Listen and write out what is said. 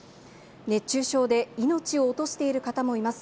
熱中症で命を落としている方もいます。